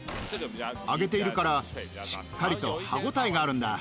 揚げているからしっかりと歯応えがあるんだ。